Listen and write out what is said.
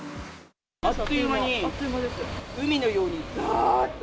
あっという間に、海のようにざーっと。